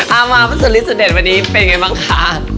เอามาพระสุริสุดเด็ดวันนี้เป็นไงบ้างคะ